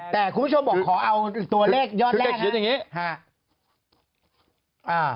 แต่คุณผู้ชมบอกขอเอาตัวเลขยอดแรกนะ